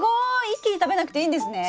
一気に食べなくていいんですね！